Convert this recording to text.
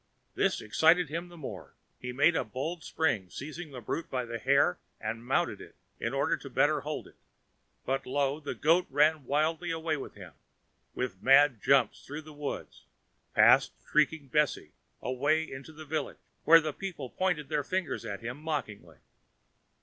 This excited him the more; he made a bold spring, seized the brute by the hair, and mounted it, in order the better to hold it; but, lo! the goat ran wildly away with him, with mad jumps through the wood, past shrieking Bessy, away into the village, where the people pointed their fingers at him mockingly.